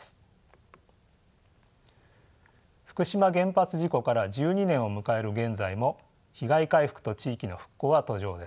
福島原発事故から１２年を迎える現在も被害回復と地域の復興は途上です。